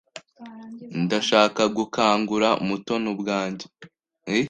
Ndashaka gukangura Mutoni ubwanjye.